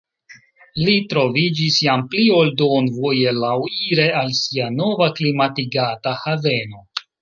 Li troviĝis jam pli ol duonvoje laŭire al sia nova klimatigata haveno.